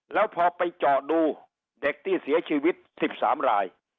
แล้วพอไปเจาะดูเด็กที่เสียชีวิต๑๓ราย